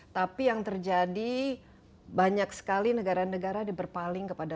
tapi yang terjadi banyak sekali negara negara diberpaling kepada